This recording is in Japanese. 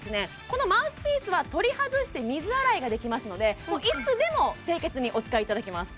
このマウスピースは取り外して水洗いができますのでいつでも清潔にお使いいただけます